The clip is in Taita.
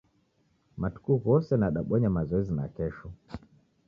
Matuku ghose nadabonya mazoezi nakesho